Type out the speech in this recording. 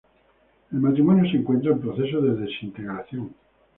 El matrimonio se encuentra en proceso de desintegración.